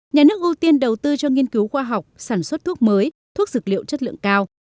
nhà nước ưu tiên đầu tư cho nghiên cứu khoa học sản xuất thuốc mới thuốc dược liệu chất lượng cao